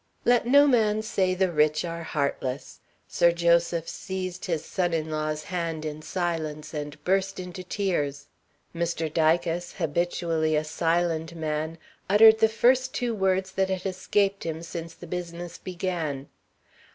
Let no man say the rich are heartless. Sir Joseph seized his son in law's hand in silence, and burst into tears. Mr. Dicas, habitually a silent man, uttered the first two words that had escaped him since the business began.